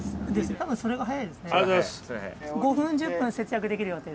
たぶんそれが早いですね。